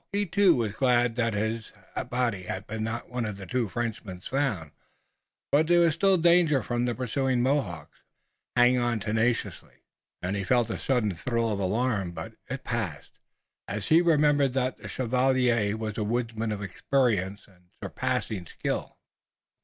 He too was glad that his had not been one of the two French bodies found, but there was still danger from the pursuing Mohawks, who would hang on tenaciously, and he felt a sudden thrill of alarm. But it passed, as he remembered that the chevalier was a woodsman of experience and surpassing skill.